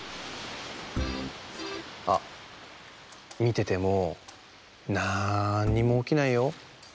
あっみててもなんにもおきないよ。